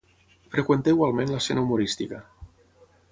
Freqüentà igualment l'escena humorística.